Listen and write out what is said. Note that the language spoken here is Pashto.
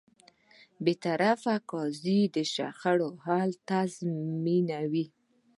بېطرفه قاضی د شخړو حل تضمینوي.